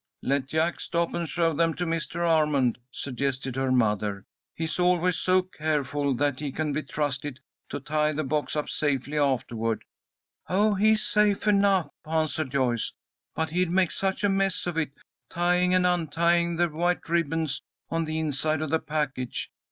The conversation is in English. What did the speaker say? "Let Jack stop and show them to Mr. Armond," suggested her mother. "He's always so careful that he can be trusted to tie the box up safely afterward." "Oh, he's safe enough," answered Joyce, "but he'd make such a mess of it, tying and untying the white ribbons on the inside of the package.